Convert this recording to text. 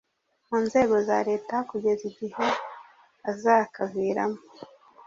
mu nzego za leta kugeza igihe azakaviramo,